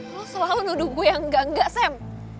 lo selalu nuduh gue yang enggak enggak sam